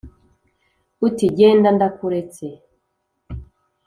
uti: genda ndakuretse